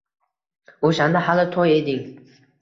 O‘shanda hali toy eding.